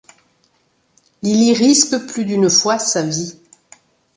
Il y risque plus d'une fois sa vie.